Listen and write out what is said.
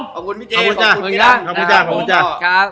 ขอบคุณพี่เจ๊ขอบคุณพี่น่ำ